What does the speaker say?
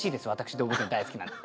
動物園大好きなので。